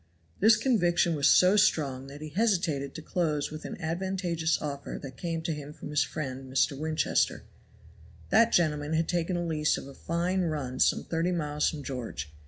This conviction was so strong that he hesitated to close with an advantageous offer that came to him from his friend, Mr. Winchester. That gentleman had taken a lease of a fine run some thirty miles from George.